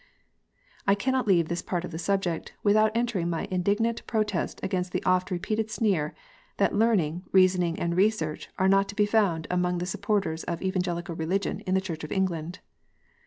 I cannot leave this part of the subject without entering my indignant protest against the often repeated sneer that learning, reasoning, and research are not to be found among the sup porters of Evangelical Eeligion in the Church of England